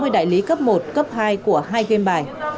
một trăm sáu mươi đại lý cấp một cấp hai của hai